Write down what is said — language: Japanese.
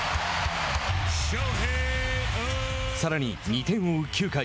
さらに２点を追う９回。